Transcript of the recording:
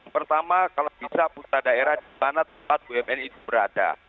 pertama kalau bisa pusat daerah di mana tempat bumn itu berada